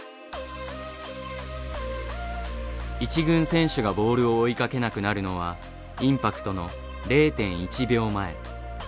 １軍選手がボールを追いかけなくなるのはインパクトの０．１秒前。